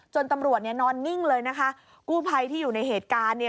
ตำรวจเนี่ยนอนนิ่งเลยนะคะกู้ภัยที่อยู่ในเหตุการณ์เนี่ย